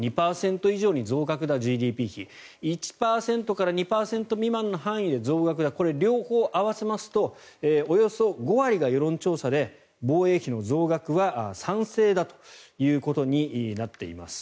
２％以上に増額だ、ＧＤＰ比１％から２％未満の範囲で増額だこれ両方合わせますと５割が世論調査で防衛費の増額は賛成だということになっています。